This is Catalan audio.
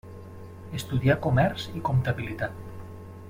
Estudià comerç i comptabilitat.